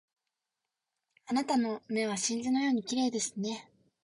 あなたの目は真珠のように綺麗ですね